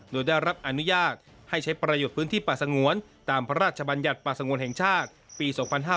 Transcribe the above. โดยได้รับอนุญาตให้ใช้ประโยชน์พื้นที่ป่าสงวนตามพระราชบัญญัติป่าสงวนแห่งชาติปี๒๕๕๙